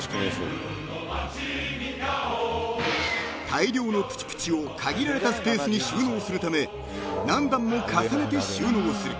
［大量のプチプチを限られたスペースに収納するため何段も重ねて収納する］